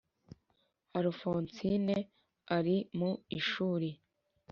alphonsine ari mu ishuri